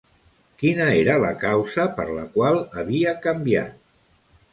Quina era la causa per la qual havia canviat?